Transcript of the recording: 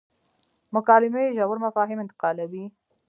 مکالمې ژور مفاهیم انتقالوي.